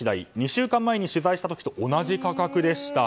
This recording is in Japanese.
２週間前に取材した時と同じ価格でした。